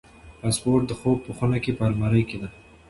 پاسپورت د خوب په خونه کې په المارۍ کې دی.